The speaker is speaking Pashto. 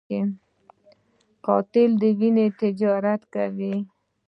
قاتل د وینو تجارت کوي